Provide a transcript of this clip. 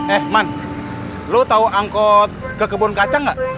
eh man lu tau angkot ke kebun kacang gak